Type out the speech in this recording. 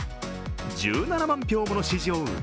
１７万票もの支持を受け